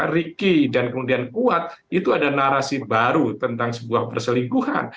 ricky dan kemudian kuat itu ada narasi baru tentang sebuah perselingkuhan